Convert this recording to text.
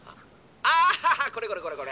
あっこれこれこれこれ！